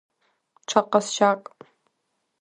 Ҽа ҟазшьак…